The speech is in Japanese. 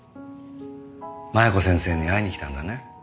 麻弥子先生に会いに来たんだね？